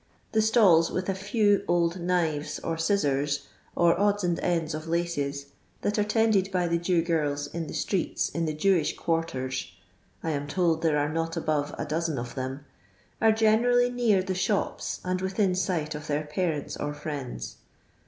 The stills, with a few old knives or scissors, or odds and ends of laces, that are tended by the Jew giris in the streeU in the Jewish quarters (I am told there are not above a dozen of them) ve generally near the shops and within sight of their parents or friends.